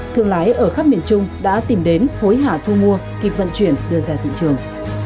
thương lái ở khắp miền trung đã tìm đến hối hả thu mua kịp vận chuyển đưa ra thị trường